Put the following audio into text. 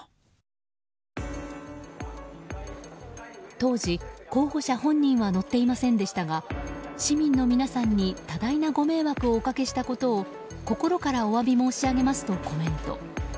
当時、候補者本人は乗っていませんでしたが市民の皆さんに多大なご迷惑をおかけしたことを心からお詫び申し上げますとコメント。